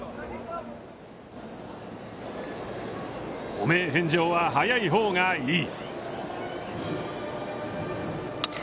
汚名返上は早いほうがいい。